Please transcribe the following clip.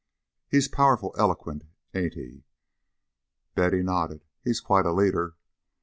He's powerful eloquent, ain't he?" Betty nodded. "He's quite a leader."